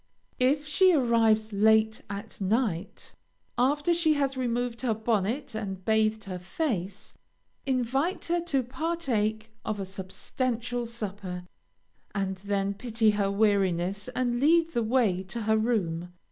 If she arrives late at night, after she has removed her bonnet and bathed her face, invite her to partake of a substantial supper, and then pity her weariness and lead the way to her room.